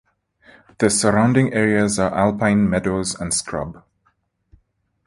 The surrounding areas are alpine meadows and scrub.